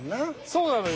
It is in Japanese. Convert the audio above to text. そうなのよ